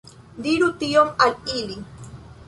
Diru tion al ili!